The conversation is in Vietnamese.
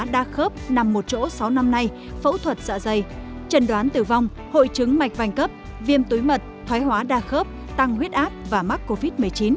đa khớp nằm một chỗ sáu năm nay phẫu thuật dạ dày trần đoán tử vong hội chứng mạch vành cấp viêm túi mật thoái hóa đa khớp tăng huyết áp và mắc covid một mươi chín